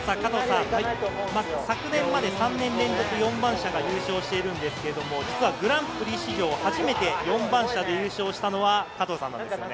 昨年まで３年連続４番車が優勝しているんですけど、実はグランプリ史上初めて４番車で優勝したのは加藤さんなんですよね？